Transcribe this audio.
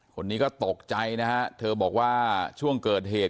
คนนี้ก็ตกใจนะฮะเธอบอกว่าช่วงเกิดเหตุ